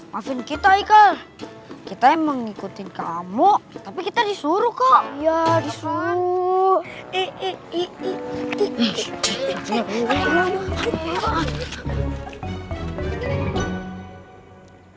maafin kita iqal kita emang ngikutin kamu tapi kita disuruh kak ya disuruh